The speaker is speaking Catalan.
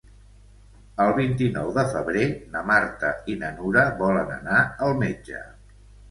El vint-i-nou de febrer na Marta i na Nura volen anar al metge.